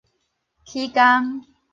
起工